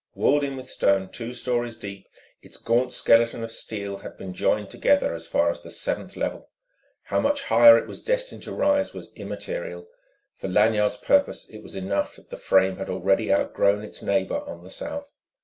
Walled in with stone two storeys deep, its gaunt skeleton of steel had been joined together as far as the seventh level. How much higher it was destined to rise was immaterial; for Lanyard's purpose it was enough that the frame had already outgrown its neighbour on the south.